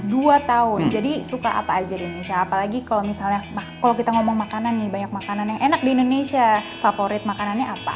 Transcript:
dua tahun jadi suka apa aja di indonesia apalagi kalau misalnya kalau kita ngomong makanan nih banyak makanan yang enak di indonesia favorit makanannya apa